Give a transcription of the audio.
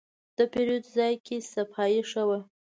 د پیرود ځای کې صفایي ښه وه.